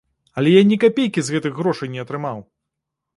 Але я ні капейкі з гэтых грошай не атрымаў!